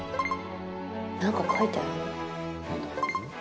何か書いてある？